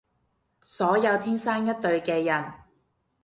所有天生一對嘅人